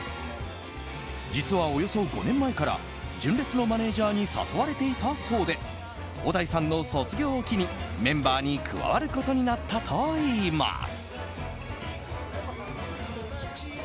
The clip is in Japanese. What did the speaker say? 実は、およそ５年前から純烈のマネジャーに誘われていたそうで小田井さんの卒業を機にメンバーに加わることになったといいます。